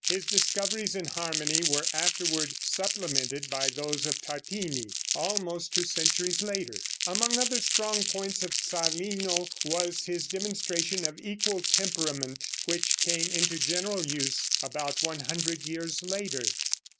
His discoveries in harmony were afterward supplemented by those of Tartini, almost two centuries later. Among other strong points of Zarlino was his demonstration of equal temperament, which came into general use about 100 years later.